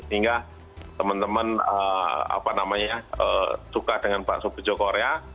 hingga teman teman suka dengan bakso bejo korea